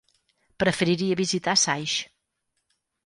Preferiria visitar Saix.